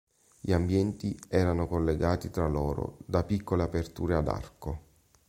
Gli ambienti erano collegati tra loro da piccole aperture ad arco.